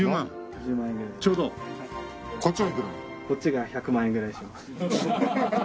こっちが１００万円ぐらいします。